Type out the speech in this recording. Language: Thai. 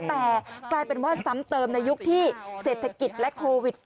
แต่กลายเป็นว่าซ้ำเติมในยุคที่เศรษฐกิจและโควิด